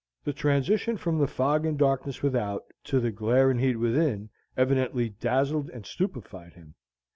The transition from the fog and darkness without to the glare and heat within evidently dazzled and stupefied him.